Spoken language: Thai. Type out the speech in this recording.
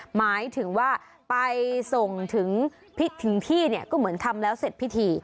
หมายถึงว่าไปส่งถึงที่เนี่ยก็เหมือนทำแล้วเสร็จพิธี